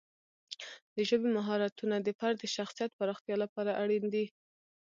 د ژبې مهارتونه د فرد د شخصیت پراختیا لپاره اړین دي.